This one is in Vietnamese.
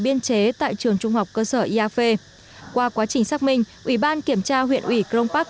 biên chế tại trường trung học cơ sở eav qua quá trình xác minh ủy ban kiểm tra huyện ủy cron park